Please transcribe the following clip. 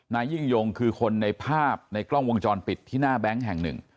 นายยิ่งยงคือคนในภาพในกล้องวงจรปิดที่หน้าแบงค์แห่งหนึ่ง